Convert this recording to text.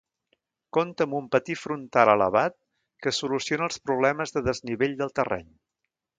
Compta amb un patí frontal elevat que soluciona els problemes de desnivell del terreny.